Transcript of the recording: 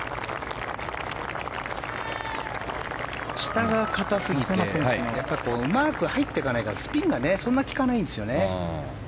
下が硬すぎてうまく入っていかないからスピンがそんなに利かないんですね。